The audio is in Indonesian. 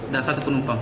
dan satu penumpang